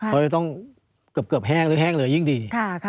เขาจะต้องเกือบแห้งหรือแห้งเลยยิ่งดี